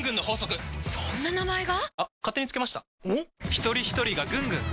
ひとりひとりがぐんぐん！